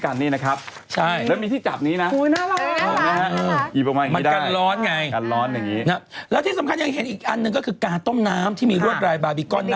ไหนเป็นยังไงหน้าบาร์บีกอน